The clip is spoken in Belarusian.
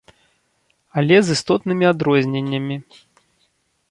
Але з істотнымі адрозненнямі.